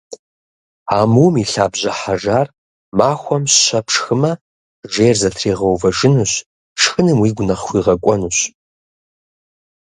Амум и лъабжьэ хьэжар махуэм щэ пшхымэ, жейр зэтригъэувэжынущ, шхыным уигу нэхъ хуигъэкӏуэнущ.